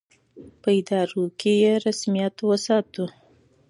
په ادارو کې یې رسمیت وساتو.